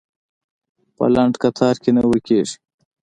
په لنډ کتار کې نه ورکېږي.